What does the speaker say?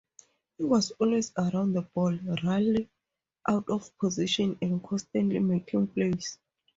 He was always around the ball, rarely out of position, and constantly making plays.